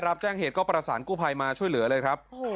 รับแจ้งเหตุก็ประสานกู้ภัยมาช่วยเหลือเลยครับ